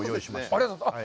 ありがとうございます。